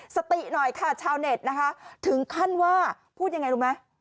สติหน่อยค่ะชาวเน็ตนะคะถึงขั้นว่าพูดยังไงรู้ไหม